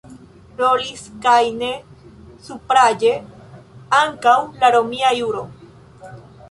Rolis, kaj ne supraĵe, ankaŭ la romia juro.